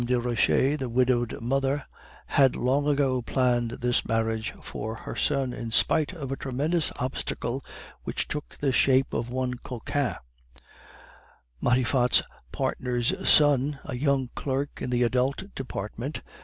Desroches, the widowed mother, had long ago planned this marriage for her son, in spite of a tremendous obstacle which took the shape of one Cochin, Matifat's partner's son, a young clerk in the adult department.